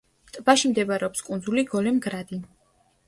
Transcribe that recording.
ტბაში მდებარეობს კუნძული გოლემ-გრადი.